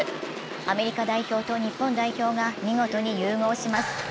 アメリカ代表と日本代表が見事に融合します。